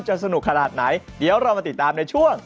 สนุกขนาดไหนเดี๋ยวเรามาติดตามในช่วง